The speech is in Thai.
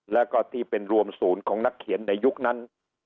แล้วก็ที่เป็นรวมศูนย์ของนักเขียนในยุคนั้น